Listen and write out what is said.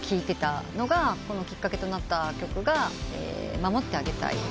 きっかけとなった曲が『守ってあげたい』